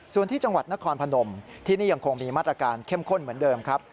ส่วนที่จังหวัดนครพนมที่นี่ยังคงมีมาตรการเข้มข้นเหมือนเดิมครับ